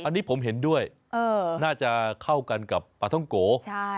อันนี้ผมเห็นด้วยน่าจะเข้ากันกับปลาท่องโก